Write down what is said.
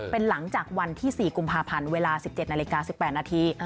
เป็นหลังจากวันที่๔กุมภาพันธ์เวลา๑๗นาฬิกา๑๘นาที